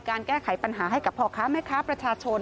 แก้ไขปัญหาให้กับพ่อค้าแม่ค้าประชาชน